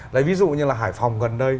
lấy ví dụ như là hải phòng gần đây